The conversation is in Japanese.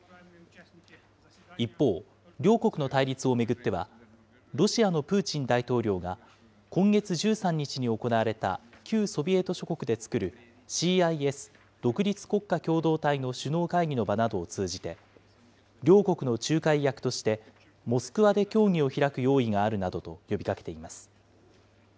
一方、両国の対立を巡っては、ロシアのプーチン大統領が、今月１３日に行われた旧ソビエト諸国で作るＣＩＳ・独立国家共同体の首脳会議の場などを通じて、両国の仲介役として、モスクワで協議を開く用意があるなどと呼びかけています。